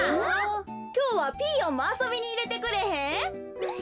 きょうはピーヨンもあそびにいれてくれへん？